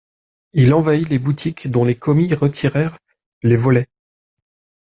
Il envahit les boutiques dont les commis retirèrent les volets.